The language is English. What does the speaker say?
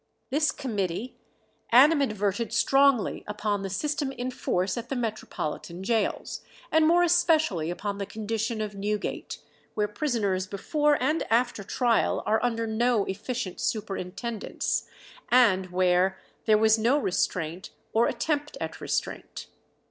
This committee animadverted strongly upon the system in force at the metropolitan gaols, and more especially upon the condition of Newgate, where "prisoners before and after trial are under no efficient superintendence," and where "there was no restraint, or attempt at restraint."